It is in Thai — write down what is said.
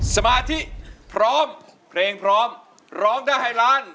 สมาธิพร้อมเพลงพร้อมร้องได้ให้ล้าน